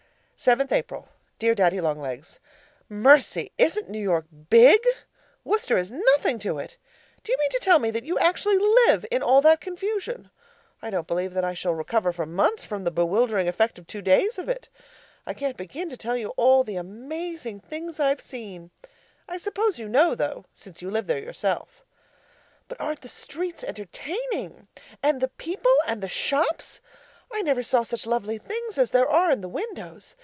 7th April Dear Daddy Long Legs, Mercy! Isn't New York big? Worcester is nothing to it. Do you mean to tell me that you actually live in all that confusion? I don't believe that I shall recover for months from the bewildering effect of two days of it. I can't begin to tell you all the amazing things I've seen; I suppose you know, though, since you live there yourself. But aren't the streets entertaining? And the people? And the shops? I never saw such lovely things as there are in the windows.